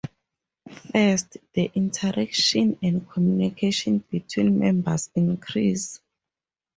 First, the interactions and communication between members increase.